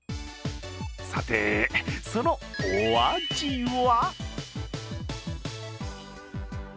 さて、そのお味は？